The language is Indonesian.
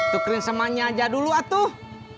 tukerin semuanya aja dulu atuh